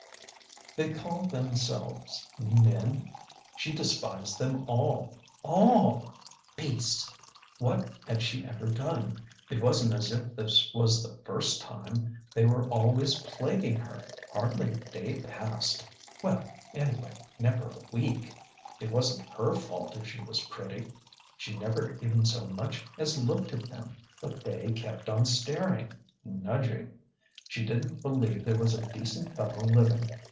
They called themselves Men! She despised them all all! Beasts!... What had she ever done?... It wasn't as if this was the first time: they were always plaguing her: hardly a day passed.... Well, anyway, never a week.... It wasn't her fault if she was pretty: she never even so much as looked at them: but they kept on staring ... nudging.... She didn't believe there was a decent fellow living